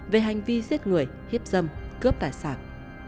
về hành vi giết người hiếp dâm cướp tài sản